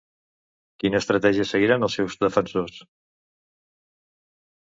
Quina estratègia seguiran els seus defensors?